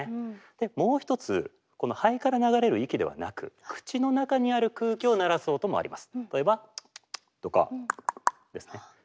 もう一つこの肺から流れる息ではなく口の中にある空気を鳴らす音もあります。